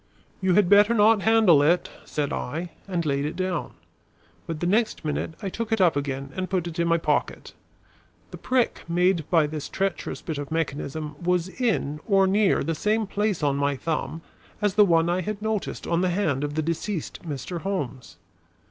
"You had better not handle it," said I, and laid it down. But the next minute I took it up again and put it in my pocket. The prick made by this treacherous bit of mechanism was in or near the same place on my thumb as the one I had noticed on the hand of the deceased Mr. Holmes.